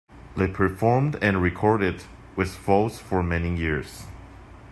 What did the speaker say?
They performed and recorded with Folds for many years.